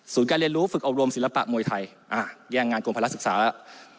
การเรียนรู้ฝึกอบรมศิลปะมวยไทยแย่งงานกรมภาระศึกษาแล้ว